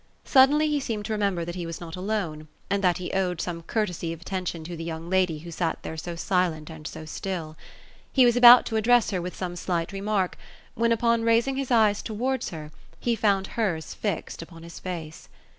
Suddenly he seemed to remember that he was not alone, and that he Owed some courtesy of attention to the young lady who sat there so silent, and so still. He was about to address her with some slight remark, when, upon raising his eyes towards her, he found hers fixed upon his face.